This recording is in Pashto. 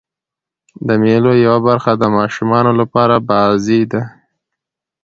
د مېلو یوه برخه د ماشومانو له پاره بازۍ دي.